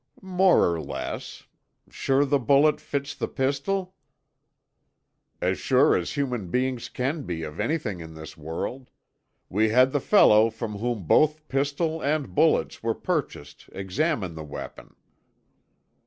"More or less. Sure the bullet fits the pistol?" "As sure as human beings can be of anything in this world. We had the fellow from whom both pistol and bullets were purchased examine the weapon."